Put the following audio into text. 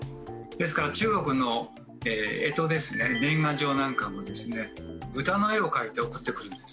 ですから中国の干支ですね年賀状なんかもですね豚の絵を描いて送ってくるんです。